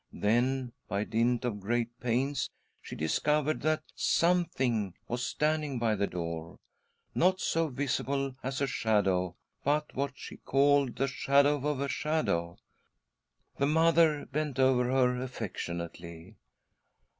Then, by dint of. great pains, she discovered that " something " was stand ing by the door — not so visible as a shadow, but what she called the shadow of a shadow. The mother bent over her affectionately.